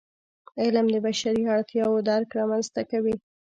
علم د بشري اړتیاوو درک رامنځته کوي.